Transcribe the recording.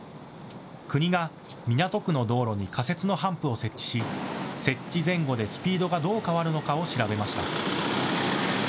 国が港区の道路に仮設のハンプを設置し設置前後でスピードがどう変わるのかを調べました。